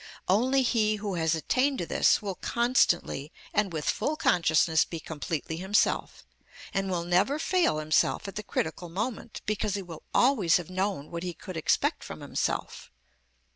Only he who has attained to this will constantly and with full consciousness be completely himself, and will never fail himself at the critical moment, because he will always have known what he could expect from himself.